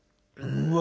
うわ！